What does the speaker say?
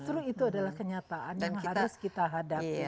justru itu adalah kenyataan yang harus kita hadapi